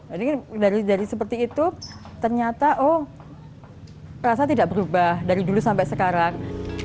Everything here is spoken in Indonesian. jadi dari seperti itu ternyata oh rasa tidak berubah dari dulu sampai sekarang